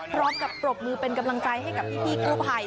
พร้อมกับปรบมือเป็นกำลังใจให้กับพี่กูภัย